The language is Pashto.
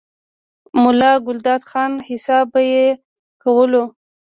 ملا ګلداد خان، حساب به ئې کولو،